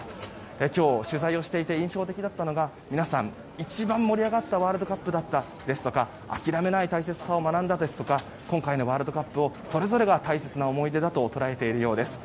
今日取材をして印象的だったのは皆さん、一番盛り上がったワールドカップだったですとか諦めない大切さを学んだ今回のワールドカップをそれぞれの思い出になったようです。